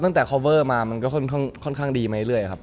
ตั้งแต่คอเวอร์มามันก็ค่อนข้างดีมาเรื่อย